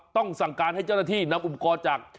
สั่งการให้เจ้าหน้าที่นำอุปกรณ์จาก